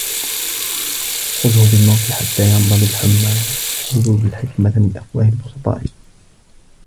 خُذْهُ بالموت حتى يرضى بالحُمَّى خذو الحكمة من أفواه البسطاء